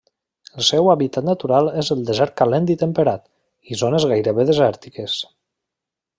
El seu hàbitat natural és el desert calent i temperat, i zones gairebé desèrtiques.